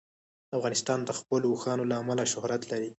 افغانستان د خپلو اوښانو له امله شهرت لري.